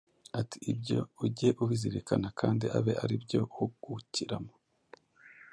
ati, “Ibyo ujye ubizirikana, kandi abe ari byo uhugukiramo.”